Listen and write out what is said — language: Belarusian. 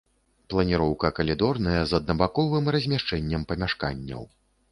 Планіроўка калідорная, з аднабаковым размяшчэннем памяшканняў.